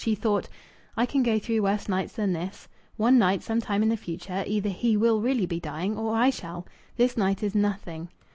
She thought: "I can go through worse nights than this. One night, some time in the future, either he will really be dying or I shall. This night is nothing."